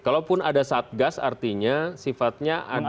kalaupun ada satgas artinya sifatnya ada